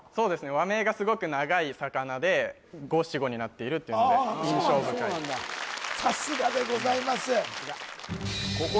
和名がすごく長い魚で５・７・５になっているっていうので印象深いさすがでございます